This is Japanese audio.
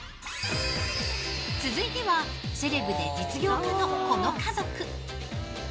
続いてはセレブで実業家のこの家族。